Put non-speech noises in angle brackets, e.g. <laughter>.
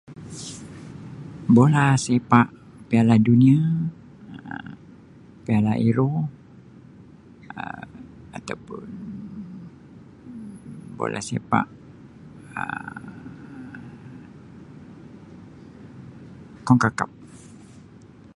<noise> Bola sepak piala dunia, Um piala Euro Um ataupun <noise> bola sepak Um <unintelligible>